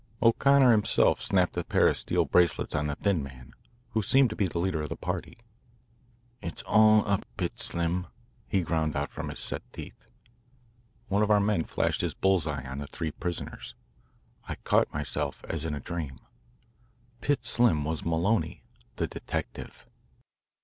O'Connor himself snapped a pair of steel bracelets on the thin man, who seemed to be leader of the party. "It's all up, Pitts Slim," he ground out from his set teeth. One of our men flashed his bull's eye on the three prisoners. I caught myself as in a dream. Pitts Slim was Maloney, the detective.